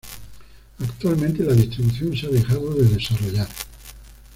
Actualmente la distribución se ha dejado de desarrollar.